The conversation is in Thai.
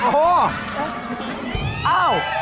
โหฮึอ้าว